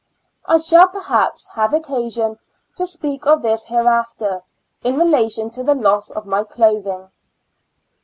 I shall, perhaps, have occasion to speak of this hereafter, in relation to the loss of my clothing.